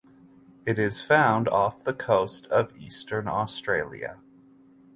It is found of the coast of eastern Australia.